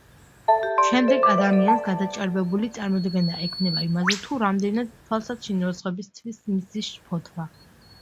შედეგად, ადამიანს გადაჭარბებული წარმოდგენა ექმნება იმაზე, თუ რამდენად თვალსაჩინოა სხვებისთვის მისი შფოთვა.